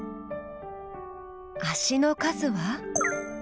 足の数は？